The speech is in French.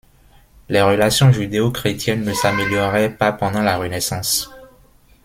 Les relations judéo-chrétiennes ne s'améliorèrent pas pendant la Renaissance.